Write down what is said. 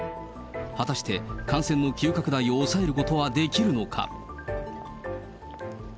果たして感染の急拡大を抑えることはできるのか。